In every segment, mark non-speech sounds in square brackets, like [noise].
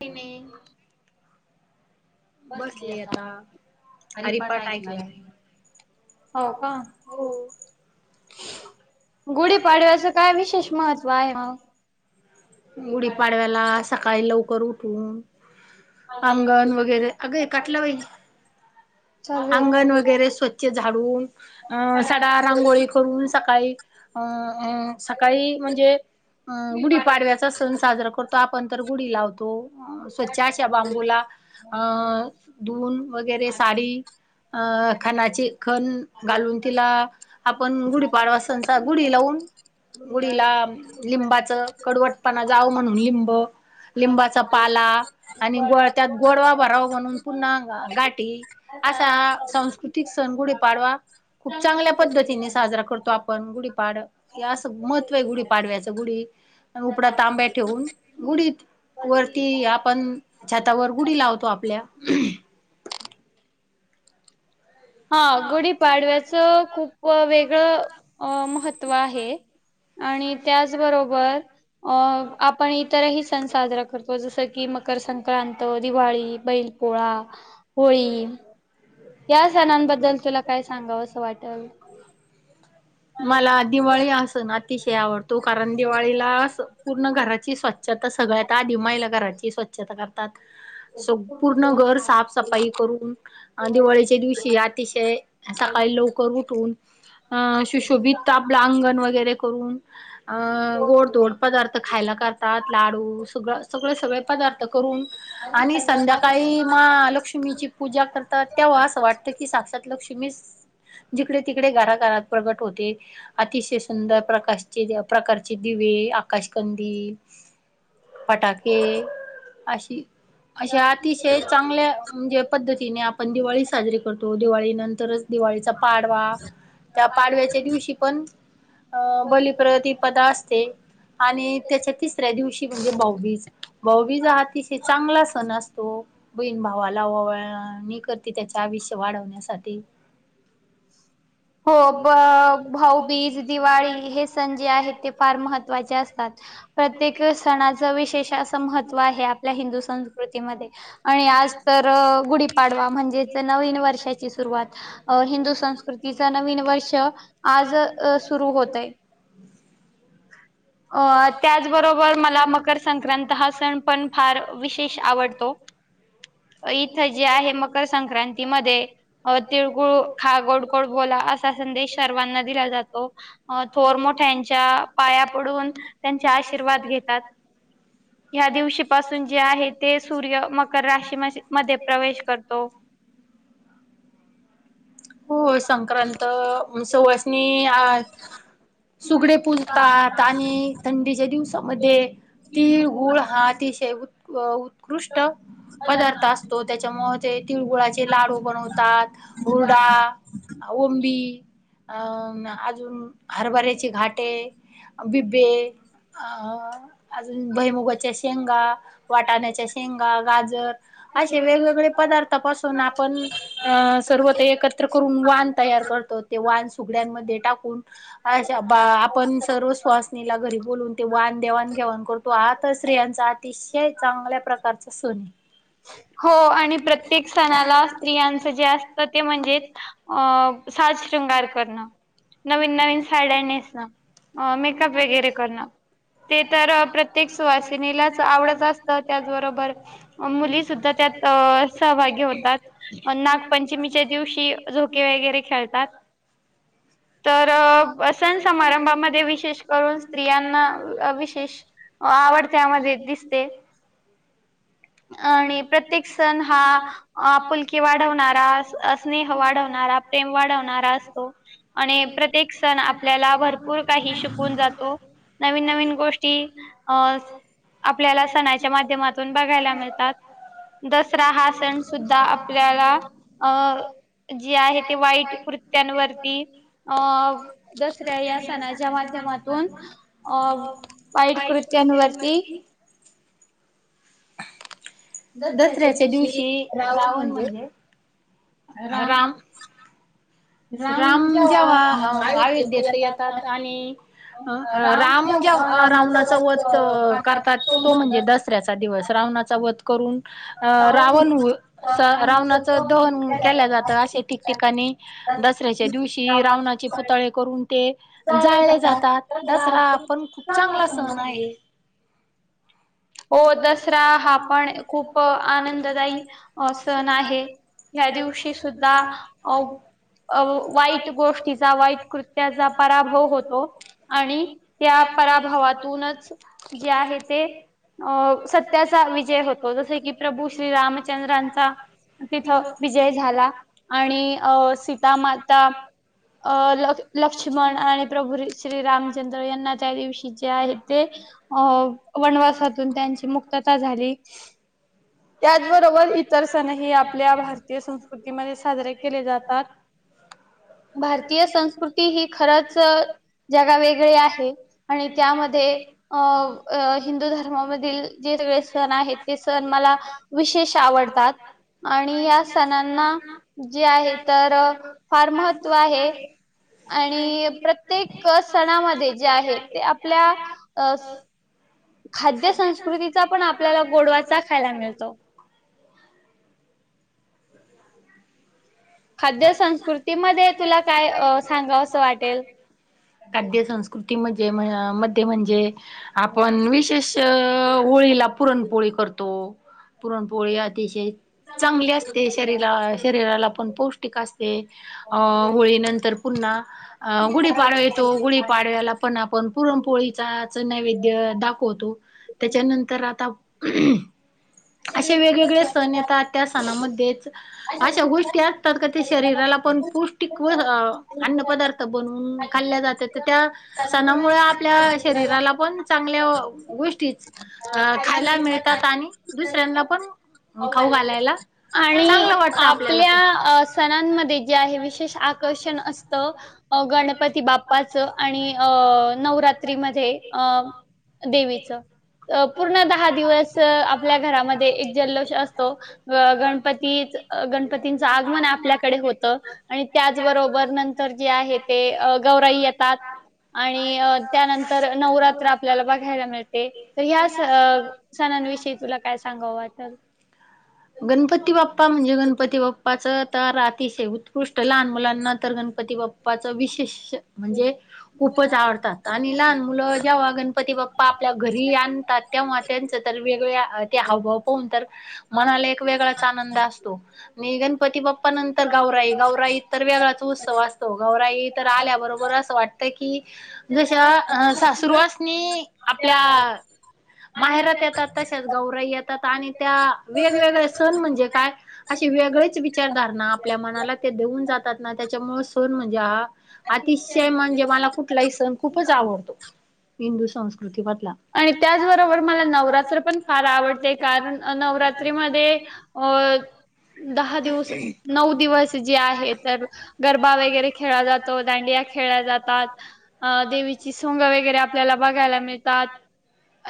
काय नाही बसले आता हरिपाठ ऐकला. हाव का? गुढीपाडव्याच काय विशेष महत्त्व आहे मग? गुडीपाडव्याला सकाळी लवकर उठून अंगण वगैरे अग ये काटल बाई. अंगण वगैरे स्वच्छ झाडून, सडा, रांगोळी, करून सकाळी सकाळी म्हणजे गुढीपाडव्याचा सण साजरा करतो. करतो आपण तर गुढी लावतो स्वच्छ अशा बांबूला धुवून वगैरे साडी खणाची खण घालून तिला आपण गुढीपाडवा सन साज गुढी लावून गुढीला लिंबाच कडवटपणा जाव म्हणून लिंब लिंबाचा पाला आणि त्यात गोडवा भरावा म्हणून पुन्हा गाठी असा सांस्कृतिक सण गुढी पाडवा. खूप चांगल्या पद्धतीने साजरा करतो आपण गुढीपाड आस मध त्वय गुढी पाडव्याच गुढी आणि उपडा तांब्या ठेवून गुढी वरती आपण छतावर गुढी लावतो आपल्या. हां गुढीपाडव्याच खूप वेगळ महत्त्व आहे. आणि त्याच बरोबर आपण इतरही सण साजरा करतो जस की मकर संक्रांत, दिवाळी. बैल पोळा, होळी या सणांबद्दल तुला काय सांगावस वाटल? मला दिवाळी हा सण अतिशय आवडतो कारण दिवाळीला अस पूर्ण घराची खरतर सगळ्यात आधी माहिला घराची स्वच्छता करतात संपूर्ण घर साफ सफ फाई करून दिवाळीच्या दिवशी अतिशय सकाळी लवकर उठून सुशोभित आपल अंगण वगैरे करून गोड धोड पदार्थ खायला करतात लाडू सगळ सगळे सगळे पदार्थ करून आणि संध्याकाळी मग आ लक्ष्मीची पूजा करतात तेव्हा अस वाटत की साक्षात लक्ष्मीच जिकडे तिकडे घरा घरात प्रगट होते. अतिशय सुंदर प्रकाशचे प्रकारचे दिवे आकाशकंदील- फटाके अशी, अशे अतिशय चांगल्या- म्हणजे पद्धतीने आपण दिवाळी साजरी करतो. दिवाळी नंतरच दिवाळीचा- पाडवा. त्या पाडव्याच्या दिवशी पण अ बलीप्रती- -पदा असते. आणि त्याच्या तिसऱ्या दिवशी म्हणजे भाऊबीज. भाऊबीज हा अतिशय चांगला सण असतो. बहीण भावा - भावाला ओवाळन. मी करते त्याचे आयुष्य वाढवण्यासाठी. हो ब भाऊबीज दिवाळी हे सण जे आहेत ते फार महत्त्वाचे असतात. प्रत्येक सणाच विशेष असं महत्त्व आहे आपल्या हिंदू संस्कृतीमध्ये. आणि आज तर गुढीपाडवा. म्हणजेच नवीन वर्षाची सुरुवात. हिंदू संस्कृती- -च नवीन वर्ष आज अ सुरू होतय. [unintelligible] अ त्याचबरोबर मला मकर संक्रांत हा सण फार विशेष आवडतो. इथं जे आहे मकर संक्रांतीमधे. अ तिळगुळ खा गोड- गोड बोला असा संदेश सर्वांना दिला जातो. थोर मोठ्यांच्या पाया पडून- त्यांचे आशीर्वाद घेतात. या दिवशी पाासून जे आहे ते सूर्य मकर- राशी म मध्ये प्रवेश करतो. हो. संक्रांत सवाष्णनी आज- सुगडे पुजतात आणि- थंडीच्या दिवसामध्ये तीळ गूळ हा अतिशय उत उत्कृष्ट- पदार्थ असतो. त्याच्यामुळे ते तिळगुळाचे लाडू बनवतात. हुरडा- ओंबी अ अजून - हरभऱ्याचे घाटे, बिब्बे आं - अजून भैमुगाच्या शेंगा, वाटाण्याच्या शेंगा, गाजर असे वेगवेगळ्या पदार्थापासून आपण- अं सर्व ते एकत्र करून वाण तयार करतो. ते वाण सुगड्यांमध्ये टाकून- अशा बा आपण सर्व- सुवासनीला घरी बोलवून ते वाण देवाण घेवाण करतो. हा तर स्त्रियांचा अतिशय चांगल्या प्रकार- -चा सण ए. [unintelligible] हो. आणि प्रत्येक सणाला स्त्रियांच जे असतं ते म्हणजे अ- साजशृंगार करणं. नवीन नवीन साड्या नेसणं. अ मेकअप वगैर करण. ते तर प्रत्येक सुवासिनीलाच आवडत असत त्याचबरोबर- सुद्धा त्यात सहभागी होतात. अन नागपंचमीच्या दिवशी झोके वगैरे खेळतात. [unintelligible] तर सण समारंभामध्ये विशेष करून स्त्रियांना अ विशेष- आवड त्यामध्ये दिसते. आणि प्रत्य -त्येक सण हा आपुुलकी वाढवणारा. स्नेह वाढवणारा- प्रेम वाढवणारा असतो. आणि प्रत्येक सण आपल्याला भरपूर काही शिकवून जातो. नवीन नवीन गोष्टी अ आपल्याला सणाच्या माध्यमातून बघायला मिळतात. दसरा हा सण सुद्धा आपल्याला अं- जी आहे ते वाईट कृत्यांवरती अ दसऱ्या या सणाच्या माध्यमातून अ वाईट कृत्यांवरती दसऱ्याच्या दिवशी रावण म्हणले ह राम राम जेव्हा अ अयोध्येत येतात आणि अ अ राम जेवा रावणाचा वध करतात तो म्हणजे दस ऱ्याचा दिवस रावणाचा वध करून अ रावण च रावणाच दहन केल्या जातं असे ठिकठिकाणी. दसऱ्याच्या दिवशी रावणाचे पुतळे करून ते जाळले जातात, दसरा आपण खू प चांगला सण आहे. हो दसरा हा पण खूप आनंददायी अ सण आहे. ह्या दिवशी सुद्धा अ अ वाईट गोष्टीचा वाईट कृत्याचा पराभव होतो. आणि या पराभवातूनच जे आहे ते अ सत्याचा विजय होतो जसे की प्रभू श्री रामचंद्रांचा तिथं विजय झाला आणि अ सीतामाता अ ल लक्ष्मण आणि प्रभू श्री रामचंद्र यांना त्या दिवशी जे आहेत ते अ वनवासातून त्यांची मुक्तता झाली. त्याचबरोबर इतर सणही आपल्या भारतीय संस्कृ तीमध्ये साजरे केले जातात. भारतीय संस्कृती ही खरंच जगावेगळी आहे आणि त्यामध्ये अ अ हिंदू ध र्मामधील जे सगळे सण आहेत ते सण मला विशेष आवडतात. आणि या सणांना जे आहे तर फार महत्त्व आहे. आणि प्रत्येक सणामध्ये जे आहे ते आपल्या अ खाद्य संस्कृतीचा पण आपल्याला गोडवा चाखायला मिळतो. खाद्य संस्कृती मध्ये तुला काय अ सांगावसं वाटेल? कृती म्हजे मध्ये म्हणजे आपण विशेष अ होळीला पुरणपोळी करतो, पुरणपोळी अतिशय चांगली असते शरीरा शरीराला पण पौष्टिक अस ते, अ होळी नंतर पुन्हा अ गुढीपाडवा येतो गुढीपाडव्याला पण आपण पुरणपोळीचाच नैवेद्य दाखवतो त्याच्यानंतर आता [inaudible] असे वेगवेगळे सण येतात त्या सणामध्येच अशा गोष्टी अ सतात की ती शरीराला पण पौष्टिक व अन्नपदार्थ बनवून खाल्या जात्यात तर त्या सणामुळे आपल्या शरीराला पण चांगल्या गोष्टीचं अ खायला मिळतात आणि दुसऱ्यांना पण खाऊ घालायला चांगलं वाटतं आपल्याला पण. सणांमध्ये जे आहे विशेष आकर्षण असतं अ गणपती बाप्पा च आणि अ नवरात्री मध्ये अ देवीच अ पूर्ण दहा दिवस आपल्या घरामध्ये एक जल्लोष असतो अ गणपतीत गणपतींच आ गमण आपल्याकडे होतं आणि त्याचबरोबर नंतर जे आहे ते गौराई येतात. आणि त्यानंतर नवरात्र आपल्याला बघायला मिळते तर ह्या सणांविषयी तुला काय सांगव वाटल. प्पा म्हणजे गणपती पाच तर अतिशय उत्कृष्ट लहान मुलांना तर गणपती बाप्पाच विशेष म्हणजे खूपचं आवडतात आणि लहान मुलं जेव्हा गणपती बाप पा आपल्या घरी आणतात तेव्हा त्यांच तर वेगळ्या ते हावभाव पाहून तर मनाला एक वेगळाच आनंद असतो अन गण पती बाप्पा नंतर गौराई गवराई तर वेगळाच उत्सव असं तो गौराई तर आल्या बरोबर असं वाटतयकी जश्या सासरुवासनी आपल्या माहेरात येतात तश्याच गौराई येतात आणि त्या वेगवेगळे सण म्हणजे काय अशी वेगळेच विचारधारणा आपल्या मनाला ते देऊन जातात ना त्याच्यामुळे सण म्हणजे हा अतिशय म्हणजे मला कुठलाही सण खूपच आवडतो हिंदू संस्कृतीमधला. आणि त्याचबरोबर मला नवरात्र पण फार आवडते कारण नवरात्रीमध्ये होय दहा दिवस नऊ दिवस जे आहे तर गरबा वगैरे खेळला जातो दांडिया खेळल्या जातात. अ देवीची सोंग वगैरे आपल्याला बघायला मिळतात.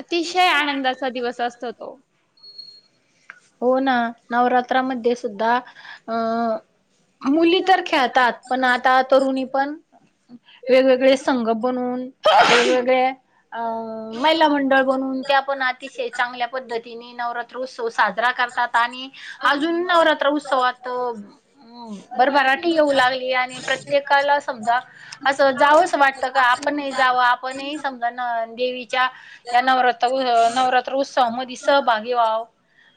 अतिशय आनंदाचा दिवस असतो तो. हो ना नवरात्रामध्ये सुद्धा अ मुली तर खेळतात पण आता तरुणी पण वेगवेगळे संघ बनून वेगवेगळ्या अ महिला मंडळ बनून त्या पण अतिशय चांगल्या पद्धतीने नवरात्र उत्सव साजरा करतात आणि अजून नवरात्र उत्सवात हं भर भराठी येऊ लागली आणि प्रत्येकाला समजा असं जावस वाटत आपण ही जावं आपणही समजा ना देवी या नवर नवरात्र उत्सवामध्ये सहभागी व्हाव.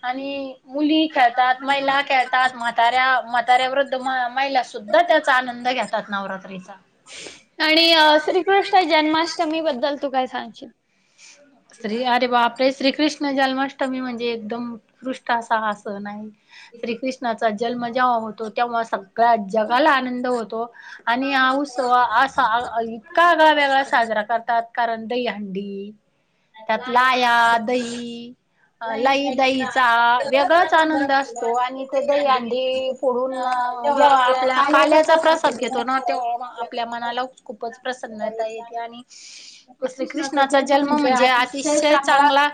आणि मुली ही खेळतात महिला खेळ तात म्हाताऱ्या म्हाताऱ्या वृद्ध महिला सुद्धा त्याचा आनंद घेतात नवरात्रीचा. आणि श्रीकृष्ण जन्माष्टमी बद्दल तू काय सांगशील? श्री हरे बा श्रीकृष्ण जनमाष्टमी म्हणजे एकदम उत्कृष्ट असा हा सन आहे श्रीकृष्ण जन्म जेव्हा होतो तेव्हा सगळ्या जगाला आनंद होतो. आणि हा उत्सव असा इतका आगळा वेगळा साजरा करतात कारण दहीहंडी. त्यात ल्हाया दही ल्हाई दहीचा वेगळाच आनंद असतो आणि ते दही अंडी फोडून जेव्हा आपल्या काल्याचा प्रसाद घेतो ना तेव्हा मा आपल्या मनाला खूपच प्रसन्नता येते आणि श्री कृष्णाचा जन्म म्हणजे अतिशय चांगला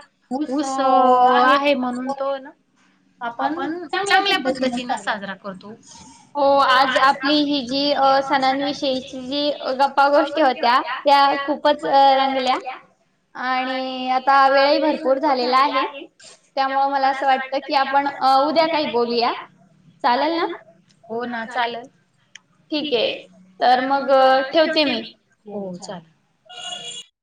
उत्सव आहे म्हणून तो ना आपण चांगले प्रत्येक दिवस चांगला करतो, हो आज आपली ही जी सणांविषयी जी गप्पा गोष्टी होत्या त्या खूपच रंगल्या. आणि आता वेळही भरपूर झालेला आहे त्यामुळ मला असं वाट तकी आपण उद्या काही बोलूया चालेल ना. ठीक आहे तर मग ठेवते मी.